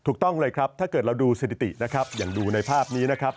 ถูกต้องเลยครับถ้าเกิดเราดูสถิตินะครับอย่างดูในภาพนี้นะครับ